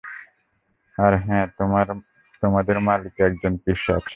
আর হ্যাঁ, তোমাদের মালিক একজন পিশাচ!